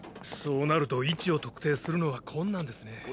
そうなると位置を特定するのは困難ですね。